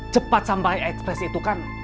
cepat sampai ekspres itu kan